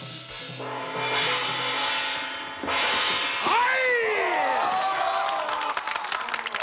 はい！